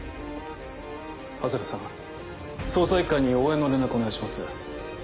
長谷部さん捜査一課に応援の連絡お願いします。